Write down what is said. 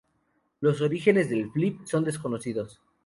Los orígenes del "flip" son desconocidos.